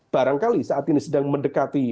barangkali saat ini sedang mendekati